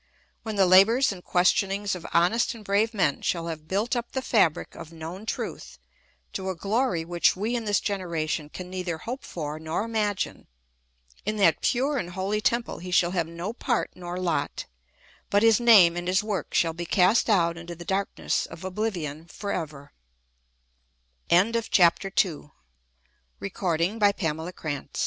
When the labours and questionings of honest and brave men shall have built up the fabric of known truth to a glory which we in this generation can neither hope for nor imagine, in that pure and holy temple he shall have no part nor lot, but his name and his works shall be cast out into the darkn